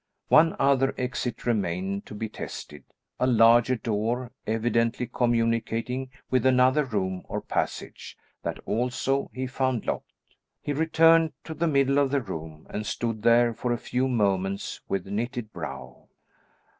One other exit remained to be tested; a larger door evidently communicating with another room or passage; that also he found locked. He returned to the middle of the room and stood there for a few moments with knitted brow.